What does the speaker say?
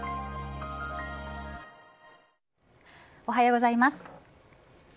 おはようございます。